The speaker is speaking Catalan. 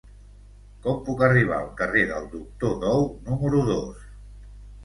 Com puc arribar al carrer del Doctor Dou número dos?